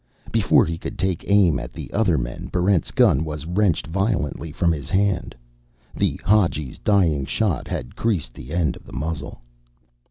Before he could take aim at the other men, Barrent's gun was wrenched violently from his hand. The Hadji's dying shot had creased the end of the muzzle.